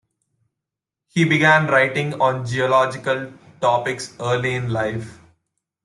He began writing on geological topics early in life.